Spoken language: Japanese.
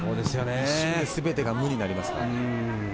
守備の全てが無になります。